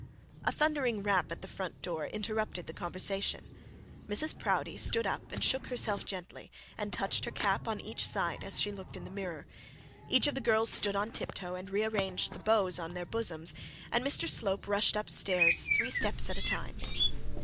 A thundering rap at the front door interrupted the conversation. Mrs Proudie stood up and shook herself gently, and touched her cap on each side as she looked in the mirror. Each of the girls stood on tiptoe, and re arranged the bows on their bosoms; and Mr Slope rushed up stairs three steps at a time.